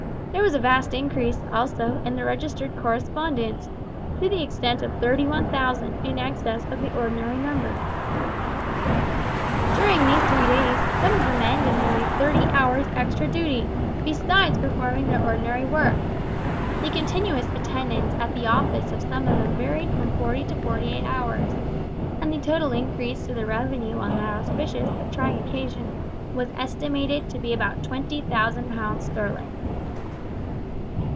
There was a vast increase, also, in the registered correspondence to the extent of thirty one thousand in excess of the ordinary numbers. During these three days some of the men did nearly thirty hours' extra duty, besides performing their ordinary work. The continuous attendance at the office of some of them varied from forty to forty eight hours, and the total increase to the revenue on that auspicious but trying occasion was estimated to be about twenty thousand pounds sterling!